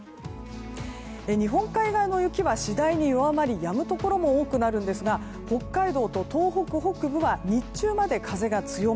日本海側の雪は次第に弱まりやむところも多くなりますが北海道と東北北部は日中まで風が強め。